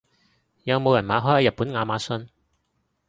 有冇人買開日本亞馬遜？